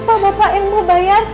pak benar pak bapak yang mau bayar